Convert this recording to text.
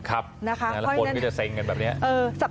แล้วฝนก็จะเซ็งกันแบบนี้